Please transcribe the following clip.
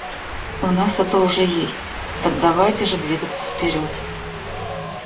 У нас это уже есть; так давайте же двигаться вперед.